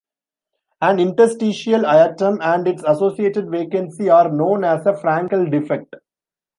An interstitial atom and its associated vacancy are known as a Frenkel defect.